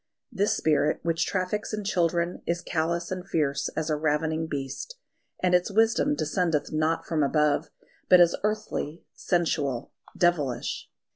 This spirit which traffics in children is callous and fierce as a ravening beast; and its wisdom descendeth not from above, but is earthly, sensual, devilish.